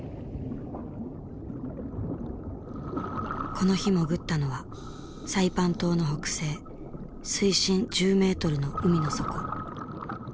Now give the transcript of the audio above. この日潜ったのはサイパン島の北西水深１０メートルの海の底。